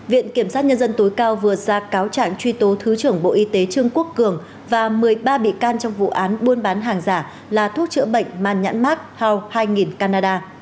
viện kiểm sát nhân dân tối cao vừa ra cáo trạng truy tố thứ trưởng bộ y tế trương quốc cường và một mươi ba bị can trong vụ án buôn bán hàng giả là thuốc chữa bệnh man nhãn mát house hai canada